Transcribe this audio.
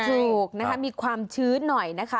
ถูกนะคะมีความชื้นหน่อยนะคะ